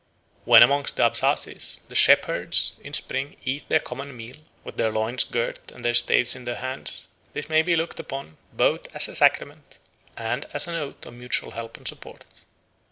When amongst the Abchases the shepherds in spring eat their common meal with their loins girt and their staves in their hands, this may be looked upon both as a sacrament and as an oath of mutual help and support.